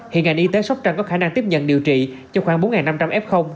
hiện ngành y tế sóc trăng có khả năng tiếp nhận điều trị cho khoảng bốn năm trăm linh f